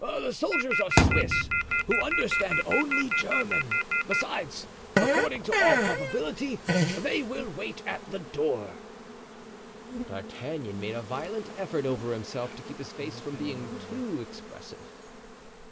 "The soldiers are Swiss, who understand only German. Besides, according to all probability they will wait at the door." D'Artagnan made a violent effort over himself to keep his face from being too expressive.